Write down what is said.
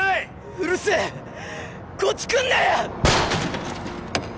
うるせえこっち来んなよ！